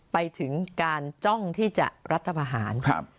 ไปถึงการจ้องที่จะรัฐพาหาร